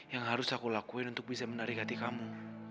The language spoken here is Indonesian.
yang harus aku lakuin untuk bisa menarik hati kamu